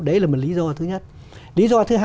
đấy là một lý do thứ nhất lý do thứ hai